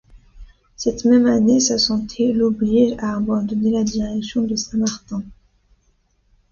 Cette même année, sa santé l’oblige à abandonner la direction de Saint-Martin.